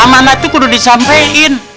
amanah itu gua udah disampaikan